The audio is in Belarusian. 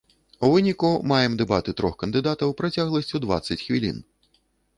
У выніку, маем дэбаты трох кандыдатаў працягласцю дваццаць хвілін.